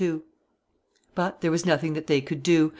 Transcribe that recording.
] But there was nothing that they could do.